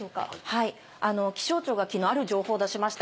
はい気象庁がきのうある情報を出しました。